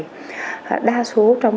đa số trong các bệnh nhân thalassemia